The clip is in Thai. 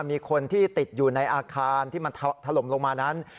มีคนที่ติดอยู่ในอาคารที่มันถล่มลงมานั้น